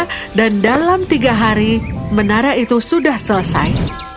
karena dan dalam tiga hari menara itu sudah selesai